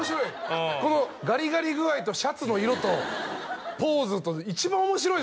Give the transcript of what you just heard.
このガリガリ具合とシャツの色とポーズと一番面白いですよね